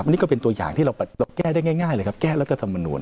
อีกที่เราแก้ได้ง่ายแก้รัฐมนูล